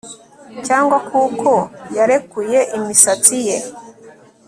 cyangwa kuko yarekuye imisatsi ye